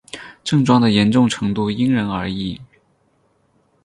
症状的严重程度因人而异。